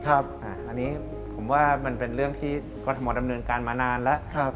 อันนี้ผมว่ามันเป็นเรื่องที่กรทมดำเนินการมานานแล้ว